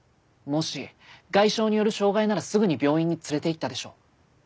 もし外傷による障害ならすぐに病院に連れていったでしょう。